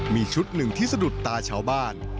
มีชุดหนึ่งที่สะดุดตาชาวบ้าน